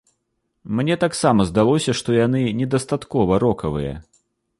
Мне таксама здалося, што яны недастаткова рокавыя.